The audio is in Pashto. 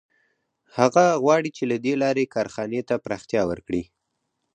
هغه غواړي چې له دې لارې کارخانې ته پراختیا ورکړي